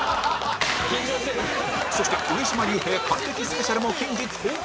そして上島竜兵還暦スペシャルも近日公開！